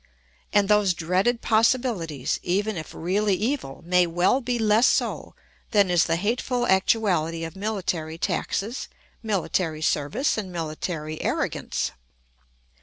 And those dreaded possibilities, even if really evil, may well be less so than is the hateful actuality of military taxes, military service, and military arrogance.